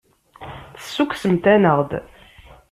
Tessukksemt-aneɣ-d.